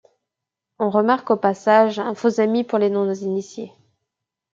On remarque au passage un faux-ami pour les non-initiés.